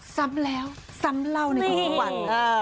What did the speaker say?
ซ้ำแล้วซ้ำเล่าในความสุขภัณฑ์